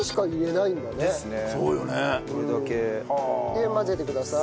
で混ぜてください。